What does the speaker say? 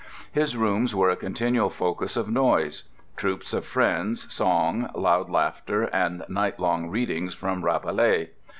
His rooms were a continual focus of noise: troops of friends, song, loud laughter, and night long readings from Rabelais.